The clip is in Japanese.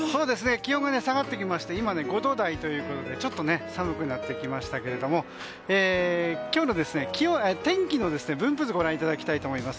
気温が下がってきまして今、５度台ということでちょっと寒くなってきましたが今日の天気の分布図ご覧いただきたいと思います。